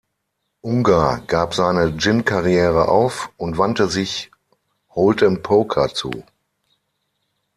Ungar gab seine Gin-Karriere auf und wandte sich Hold’em Poker zu.